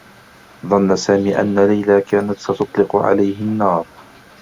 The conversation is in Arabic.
ظنّ سامي أنّ ليلى كانت ستطلق عليه النّار.